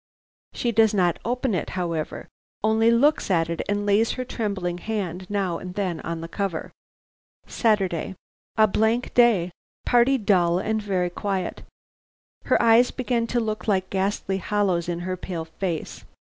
She does not open it, however, only looks at it and lays her trembling hand now and then on the cover. "Saturday. "A blank day. Party dull and very quiet. Her eyes begin to look like ghastly hollows in her pale face.